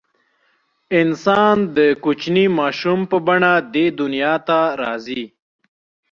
انسان د کوچني ماشوم په بڼه دې دنیا ته راځي.